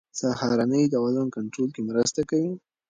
سهارنۍ د وزن کنټرول کې مرسته کوي.